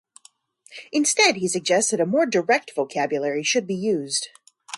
Instead he suggests that a more direct vocabulary should be used.